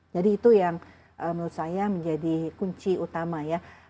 jadi itu yang menurut saya menjadi kunci utama ya